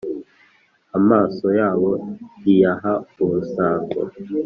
Amaso yabo iyaha urusango